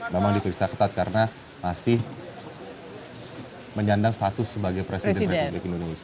memang diperiksa ketat karena masih menyandang status sebagai presiden republik indonesia